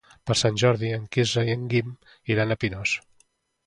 Per Sant Jordi en Quirze i en Guim iran a Pinós.